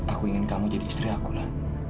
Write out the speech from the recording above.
aku ingin kamu jadi istri aku lah